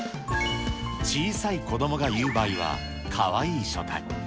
小さい子どもが言う場合はかわいい書体。